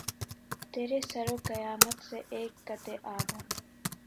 تیرے سرو قامت سے، اک قّدِ آدم